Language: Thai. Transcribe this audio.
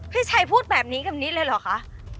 พี่ชัยพูดแบบนี้กับนิดเลยเหรอคะ